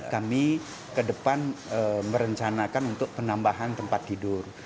kami ke depan merencanakan untuk penambahan tempat tidur